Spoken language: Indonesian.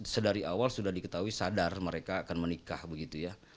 sedari awal sudah diketahui sadar mereka akan menikah begitu ya